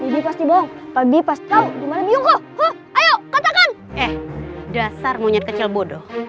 dia katanya dikerekam harimau